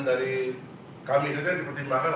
dari kami kita dipertimbangkan